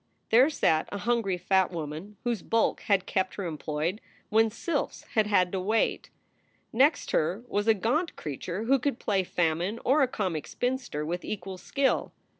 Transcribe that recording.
There sat a hungry fat woman whose bulk had kept her employed when sylphs had had to wait. Next her was a gaunt creature who could play Famine or a comic spinster with equal skill.